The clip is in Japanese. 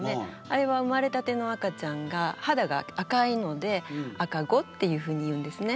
あれは生まれたての赤ちゃんがはだが赤いので赤子っていうふうに言うんですね。